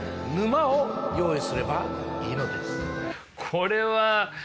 これは。